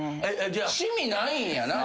じゃあ趣味ないんやな。